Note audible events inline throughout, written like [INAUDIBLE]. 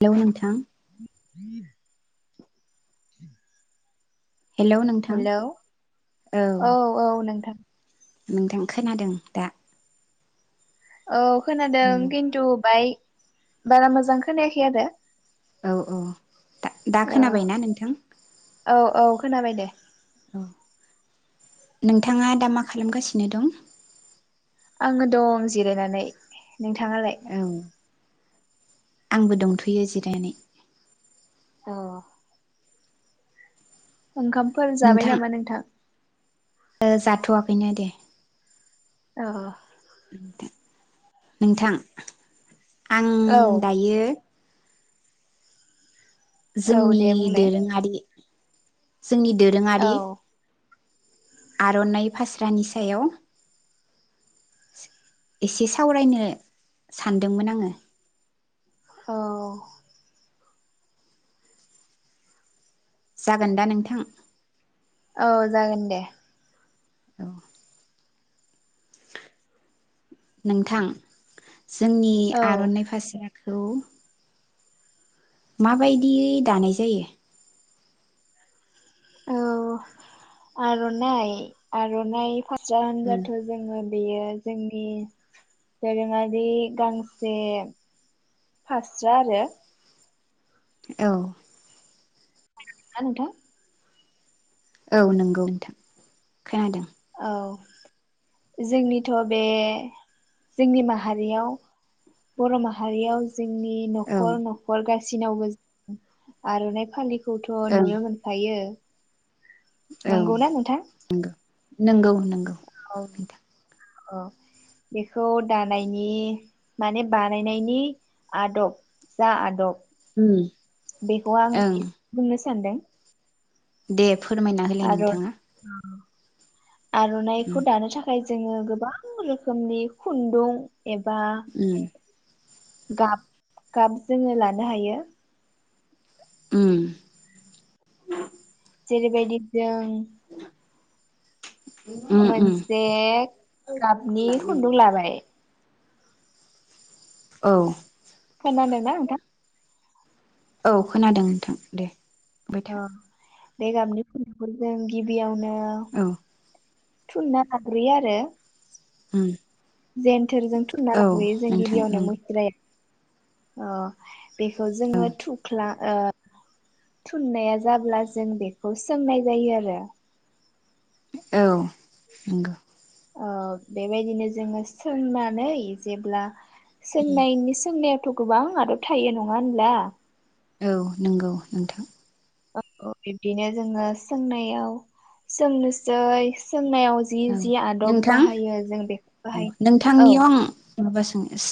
Hello नोंथां [UNINTELLIGIBLE] hello नोंथां hello औ औ नोंथां नोंथां खोनादों दा औ खोनादों खिन्थु बाइक बारा मोजां खोनायाखै आरो औ औ दा दा औ खोनाबायना नोंथां औ औ खोनाबाय दे औ नोंथाङा दा मा खालामगासिनो दं आङो दं जिरायनानै नोंथाङालाय औ आंबो दंथ'यो जिरायनाय अ ओंखामफोर जाबाय नामा नोंथां ओ जाथ'वाखैनो दे औ नोंथां आं औ दायो औ जोंनि दे बुंलाय दोरोङारि जोंनि औ दोरोङारि आर'नाइ फास्रानि सायाव एसे सावरायनो सानदोंमोन आङो औ जागोन दा नोंथां औ जागोन दे औ नोंथां जोंनि औ आर'नाइ फारसेया औौ माबायदियै दानाय जायो औ आर'नाइ आर'नाइ जान जाथों जोंगोन बेयो जोंनि दोरोङारि गांसे फास्रा आरो औ आ नोंथां औ नंगौ नोंथां खोनादों औ जोंनिथ' बे जोंनि माहारियाव बर' माहारियाव जोंनि औ न'खर न'ख गा सिनाव मो आर'नाइ फालि खौथ' ओं नुनो मोनखायो। औ नंगौना नोंथां? नंगौ नंगौ नंगौ औ नोंथां। औ बेखौ दानायनि माने बानायनायनि आदब जा आदब उम बेखौ आं ओं एसे बुंनोसै। सानदों। दे फोरमायना होलाय आरो नोंथाङा। उम आर'नाइखौ दानो थाखाय जोङो गोबां रोखोमनि खुन्दुं एबा उम गाब गाब जोङो लानो हायो। उम जेरैबायदि जों [INAUDIBLE] उम उम मोनसे गाबनि खुन्दुं लाबाय औ खोनादों ना नोंथा? औ खोनादों नोंथां दे। बुंबाय था औ बे गाबनि फुखौ जों गिबियावनो औ थुनना लााग्रोयो आरो [INAUDIBLE] जेन जेनथोरजों थुनना औ लाबोयो जों नोंथां गिबियावनो नंगौ मुस्राया अ बेखौ औ जोङो थुख्ला थुननाया जाब्ला जों बेखौ सोंनाय जायो आरो। औ नंगौ। ओ बेबायदिनो जोङो सोंनानै जेब्ला सोंनायनि सोंनायाथ' गोबां आदर थायो नङा होनब्ला? औ नंगौ नोंथां। औ औ बिब्दिनो जोङो सोंनायाव सोंनोसै सो नायाव जि औ जि आदब नोंथां बाहायो जों बेखौ औ हाय औ नोंथांनियाव । आं माबा सोनोस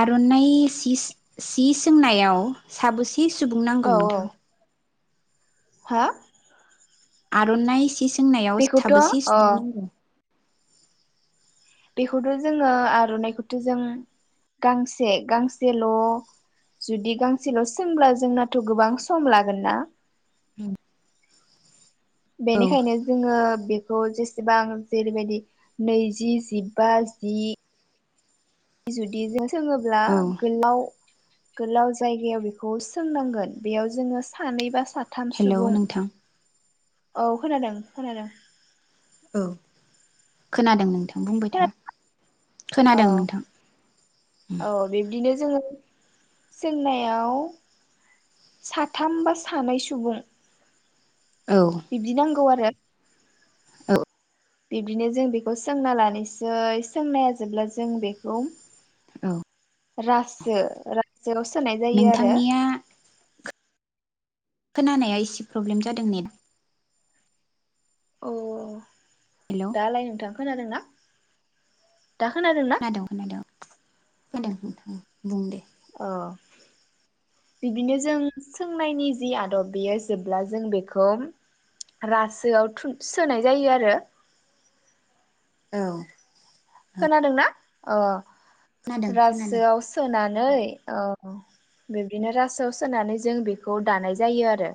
आर'नाइ सि-सि-सोंनायाव साबैसे सुबुं नांगौ नोंथां? हो आर' नाय सि सो सोंनायाव बेखौथ' साबेसे अ सुबुं नांगौ? बेखौथ' जोङो आर'नाइखौथ' जों गांसे गांसेल' जुदि गांसेल' सोंब्ला जोंनाथ' गोबां सम लागोन ना औ बेनिखायनो जोङो बेख थ' जेसेबां जेरैबायदि नैजि जिबा जि जुदि जो सोङोब्ला औ गोलाव गोलाव जायगायाव बेखौ सोंनांगोन बेयाव जोङो सानैबा साथ हेलौ नोंथां । औ खोनादों खोनादों औ खोनादों नोंथां बुंबाय खोनादों था औ खोनादों नोंथां जोंनायाव साथाम बा सानै सुबुं औ बिब्दि नांगौ आरो औ बिदिनो जों बेखौ सोंना लानोसै सोंनाया जोबब्ला जों बेखौ औ रासो-रासोआव सोनाय जायो आरो नोंथांनिया खोनानाया एसे प्रब्लेम जादों नेट अ हेलौ दालाय नोंथां खोनादोंना? दा खोनादोंना खोनादों खोनादों खोनादों उम उम बुंदे औ बिदिनो जों सोंनायनि जि आदब बेयो जेब्ला जों बेखौ रासोआव थुब सोनाय जायो आरो औ खोनादोंना? अ खोनादों खोनादों रासोआव सोनानै अ औ बिदिनो रासोआव सोनानै जों बेखौ दानाय जायो आरो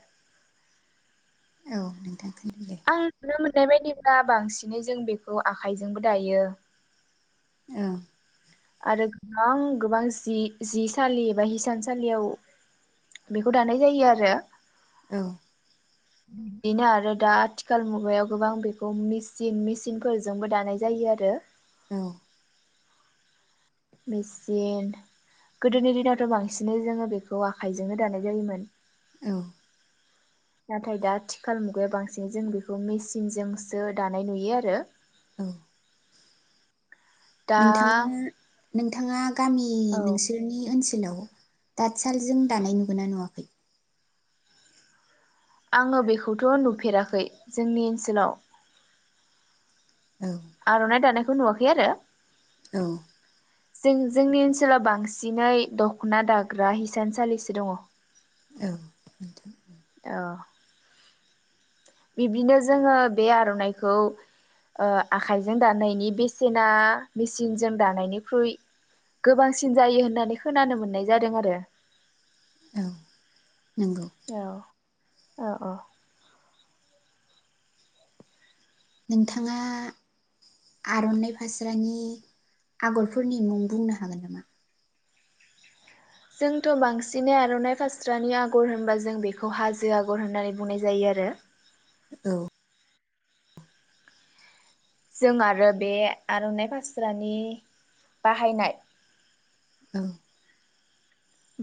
औ नोंथां खोनादों दे आं [UNINTELLIGIBLE] बे बायदिब्ला बांसिनै जों बेखौ आखाइजोंबो दायो। ओम। आरो गोबां गोबां जि-जिसालि बा हिसानसालियाव बेखौ दानाय जायो आरो। औ। बिदिनो आरो दा आथिखाल मुगायाव गोबां बेखौ मेसिन मेसिनफोरजोंबो दानाय जायो आरो। औ। मेचिन गोदोनि दिनावथ' बांसिनै जोङो बेखौ आखाइजोंनो दानाय जायोमोन। औ। नाथाय दा आथिखाल मुगाया बांसिन जों बेखौ मेचिनजोंसो दानाय नुयो आरो। औ। दा नोंथाङा नोंथाङा गामि औ नोंसोरनि ओनसो लाव तातसालजों दानाय नुगोना नुवाखै? आङो बेखौथ' नुफेराखै जोंनि ओनसोलाव औ आर'नाय दानायख खौ नुवाखै आरो औ। जों जोंनि ओनसोलाव बांसिनै दख'ना दाग्रा हिसानसालिसो दङ। औ। नोंथां अ। बिबिनो जोङो बे आर'नाइखौ ओ आखाइजों दानायनि बेसेना मेचिनजों दानायनिख्रुइ गोबांसिन जायो होननानै खोनानो मोननाय जादों आरो। औ नंगौ। औ औ। नोंथाङा आर'नाइ फास्रानि आगरफोरनि मुं बुंनो हागोन नामा? जोंथ' बांसिनै आरनाइ खास्रानि आग'र होनबा जों बेखौ हाजो आगर होननानै बुंनाय जायो आरो। औ। जों आरो बे आर'नाइ फास्रानि बाहायनाय औ।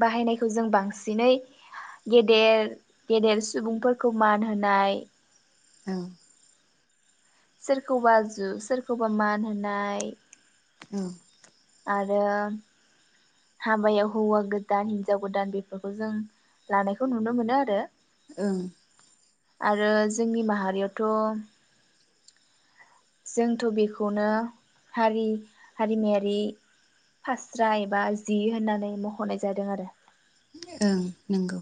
बाहायनायखौ जों बांसिनै गेदेर गेदेर सुबुंफोरखौ मान होनाय औ। सोरखौबा जु सोरखौबा मान होनाय आरो हाबायाव हौवा गोदान हिनजाव गोदान बेफोरखौ जों लानायखौ नुनो मोनो आरो। ओं। आरो जोंनि माहारियावथ' जोंथ' बेखौनो हारि हारिमायारि फास्रा एबा जि होननानै मख'नाय जादों आरो। ओं नंगौ।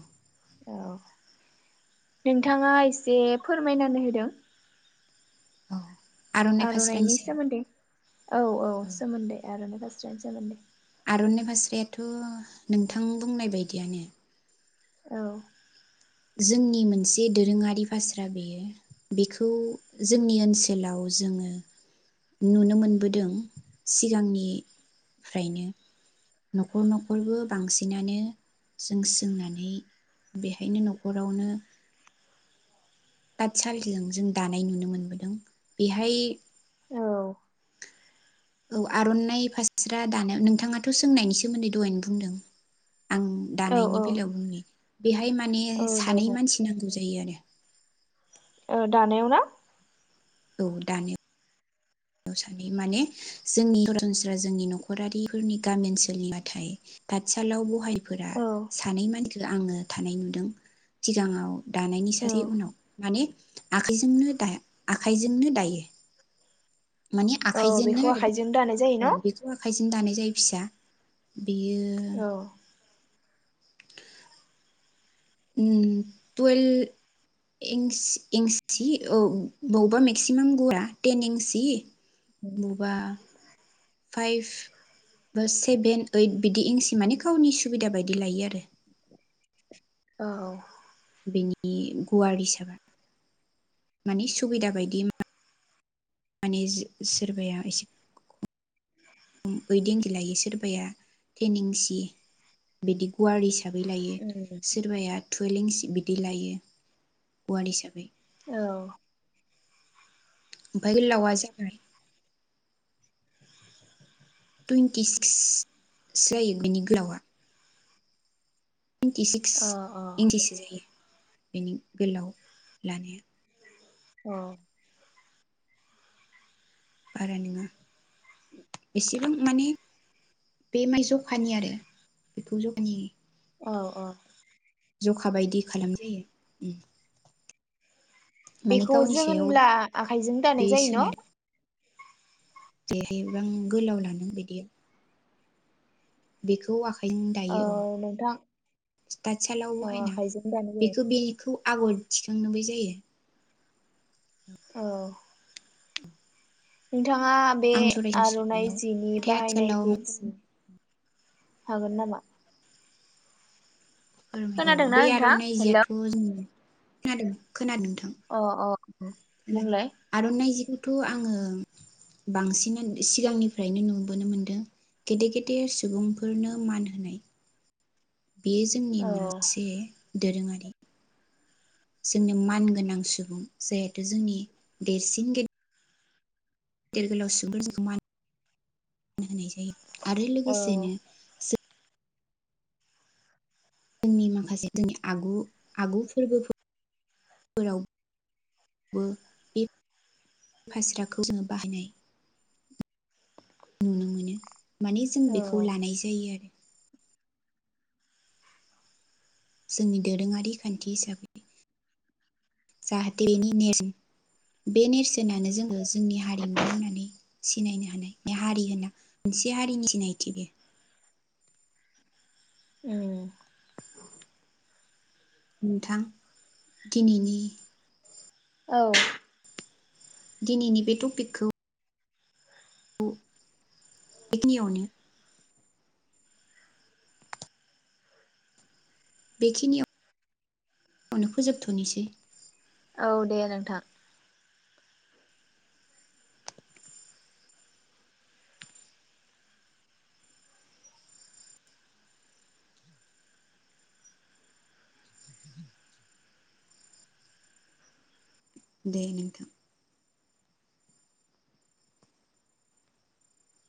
नोंथाङा एसे फोरमायनानै होदों। औ आर'नाइ फास्रानि आर'नाइनायनि सायाव सोमोन्दै औ औ सोमोन्दै आर'नाइ फा जागोन दे। आर'नाय फास्रायाथ' नोंथां बुंनाय बायदियानो। औ। जोंनि मोनसे दोरोङारि फास्रा बेयो बेखौ जोंनि ओनसोलाव जोङो नुनो मोनबोदों सिगांनिफ्रायनो। न'खर न'खरबो बांसिनानो जों सोंनानै बेहायनो न'खरावनो तातसालिजों जों दानाय नुनो मोनबोदों बेहाय औ। औ आर'नाइ फास्रा दानो नोंथाङाथ' सोंनायनि सोमोन्दै दहायनो बुंदों। आं औ दानायनि बेलायाव बुंनि बेहाय माने औ दे सानै बुं मानसि नांगौ जायो आरो। ओ दानायाव ना? औ दानायाव। सानै माने जोंनि सरासनस्रा जोंनि न'खरारिफोरनि गामि ओनसोलनि बाथाय ताथसालाव ब रायफोरा औ सानै मान आङो थानाय नुदों सिगाङाव दानायनि औ सासे उनाव माने आखाइजोंनों दाया आखाइजोंनो दायो। माने औ आखाइजोंनो बेखौ आरो आखाइजों दानाय जायो ओ न' औ बेखौ आखाइजों दानाय जायो फिसा। बेयो औ उम टुवेल्भ एन्स एन्सि औ बावबा मेक्सिमाम गुवारा टेन एन्सि बौबा फाइभ बा सेभेन ओइट बिदि एन्सि माने गावनि सुबिदा बायदि लायो आरो। औ बेनि गुवार हिसाबै माने सुबिदा बायदि मा माने सोरबाया एसे [UNINTELLIGIBLE] लायो सोरबाया टेन एन्सि बिदि गुवार हिसा बै लायो सोरबाया टुवेल एन्सि बिदि लायो गुवार हिसाबै। औ ओमफाय गोलावआ जाबाय टुइन्टि सिक्ससो जायो बेनि गोलावआ टुइन्टिसिक्स अ औ इन्सिसो जायो। बेनि गोलाव लानाया । औ बारा नोङा एसेबां माने बे माइ ज'खानि आरो बेखौ ज'खानि औ अ'। ज'खा बायदि खालाम जायो उम। बेखौ जों सायाव होनब्ला आखाइजों दानाय जायो न'? जेसेबां गोलाव लानो बिदि । बेखौ आखा जों दायो औ ताटसालाव औ बहायना आखाइजों दानाय जायो बेखौ बेखौ आगर थिखांनोबो जायो। औ नोंथाङा बे आं सरासनस्रा आर'नाइ मोननायाव जिनि नाथाय आथिखालाव बाहायनायखौ मानसि हागोन नामा? औ खोनादोंना बे नोंथां? आर'नाइ हेल' जियाथ' जोङो खोनादों। अ अ बुंलाय आरननाय जि थ' आङो बांसिन सिगांनिफ्रायनो नुबोनो मोनदों गेदेर गेदेर सुबुंफोरनो मान होनाय बेयो जोंनि औ मोनसे दोरोङारि जोंनो मानगोनां सुबुं जायाथ' जोंनि देरसिन गेदेर गेदेर गोलाव सुबुंफोर जोंखौ मान होनाय जायो आरो औ लोगोसेनो जोंनि माखासे जोंनि आगु आगु फोरबो फोराव बे फास्राखौ जोङो बाहायनाय नुनो मोनो माने जों औ बेखौ लानाय जायो आरो जोंनि दोरोङारि खान्थि हिसाबै जाहाथे बेनि नेरसोन बे नेरसोनानो जोङो जोंनि हारिमु होननानै सिनायनो हानाय बे हारि होनना मोनसे हारिनि सिनायथि बे उम नोंथां दिनैनि औ। दिनैनि बे टपिकखौ बेखिनियावनो बेखिनियावनो फोजोबथ'निसै। औ दे नोंथां। दे नोंथां।